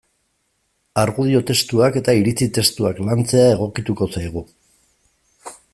Argudio testuak eta iritzi testuak lantzea egokituko zaigu.